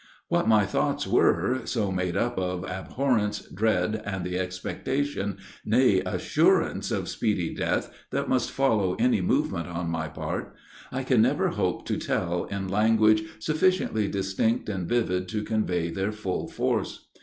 What my thoughts were so made up of abhorrence, dread, and the expectation nay, assurance of speedy death, that must follow any movement on my part I can never hope to tell in language sufficiently distinct and vivid to convey their full force.